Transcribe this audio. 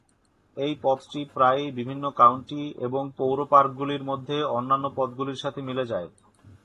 এই পথটি প্রায়ই বিভিন্ন কাউন্টি এবং পৌর পার্কগুলির মধ্যে অন্যান্য পথগুলির সাথে মিলে যায়।